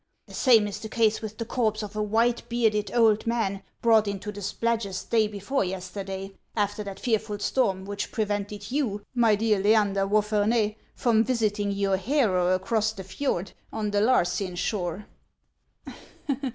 The same is the case with the corpse of a white bearded old man brought into the Spladgest day before yesterday, after that fearful storm which prevented you, my dear Leander Wapherney, from visiting your Hero across the fjord, on the Larsynn shore."